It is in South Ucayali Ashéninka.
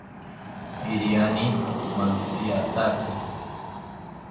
Iriani mantziataki